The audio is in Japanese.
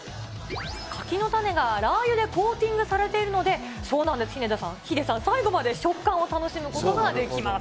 柿の種がラー油でコーティングされているので、そうなんです、ヒデさん、最後まで食感を楽しむことができます。